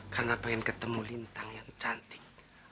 karena pengen ketemu lintang yang cantik